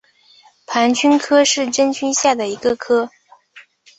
盘菌科是真菌下的一个科。